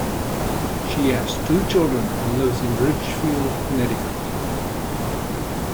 She has two children, and lives in Ridgefield, Connecticut.